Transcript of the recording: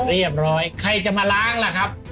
เรียบร้อยใครจะมาล้างล่ะครับ